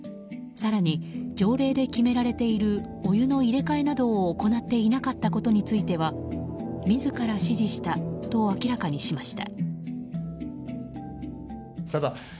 更に、条例で決められているお湯の入れ替えなどを行っていなかったことについては自ら指示したと明らかにしました。